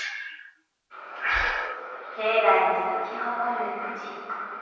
境内に咲き誇る藤。